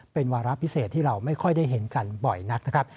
เป็นวาระพิเศษที่เราไม่ค่อยได้เห็นกันบ่อยนักนะครับ